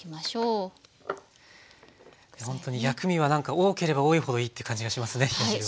ほんとに薬味は何か多ければ多いほどいいって感じがしますね冷や汁は。